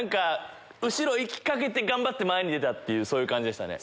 後ろ行きかけて頑張って前に出たっていう感じでしたね。